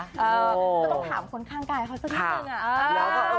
ก็ต้องถามคนข้างกายเขาสักนิดนึงอะ